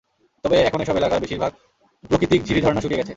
তবে এখন এসব এলাকার বেশির ভাগ প্রকৃতিক ঝিরি ঝরনা শুকিয়ে গেছে।